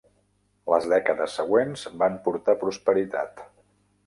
Les dècades següents van portar prosperitat.